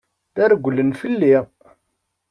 La rewwlen fell-i.